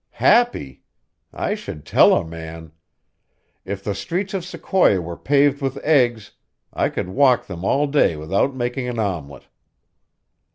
"Happy? I should tell a man! If the streets of Sequoia were paved with eggs, I could walk them all day without making an omelette."